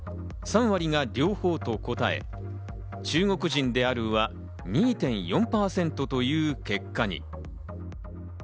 ３割が両方と答え、中国人であるは２．４％という結果に。